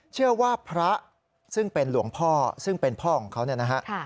เชื่อว่าพระซึ่งเป็นหลวงพ่อซึ่งเป็นพ่อของเขาเนี่ยนะฮะ